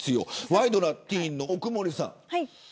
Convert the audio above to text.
ワイドナティーンの奥森さん。